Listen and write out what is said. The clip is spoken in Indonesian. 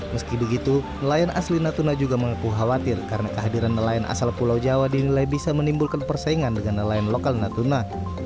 meski begitu nelayan asli natuna juga mengaku khawatir karena kehadiran nelayan asal pulau jawa dinilai bisa menimbulkan persaingan dengan nelayan lokal natuna